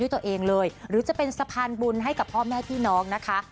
แต่พวกเราจะมาร่วมกันสร้างทำให้โบสถ์หลังนี้เสร็จนะฮะ